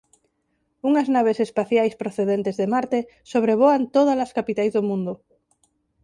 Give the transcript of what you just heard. Unhas naves espaciais procedentes de Marte sobrevoan tódalas capitais do mundo.